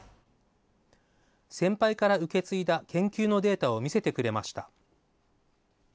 先輩から受け継いだ研究のデータを見せてくれました。